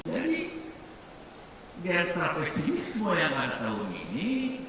jadi biar tidak pesimis semua yang ada tahun ini